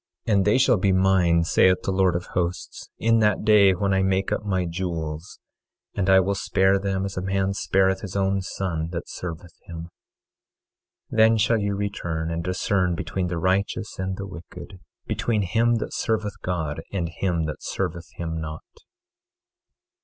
24:17 And they shall be mine, saith the Lord of Hosts, in that day when I make up my jewels; and I will spare them as a man spareth his own son that serveth him. 24:18 Then shall ye return and discern between the righteous and the wicked, between him that serveth God and him that serveth him not.